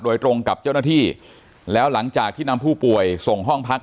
โดยตรงกับเจ้าหน้าที่แล้วหลังจากที่นำผู้ป่วยส่งห้องพัก